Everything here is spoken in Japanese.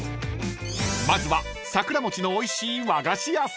［まずは桜餅のおいしい和菓子屋さん］